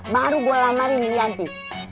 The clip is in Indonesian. baru gue lamarin yanti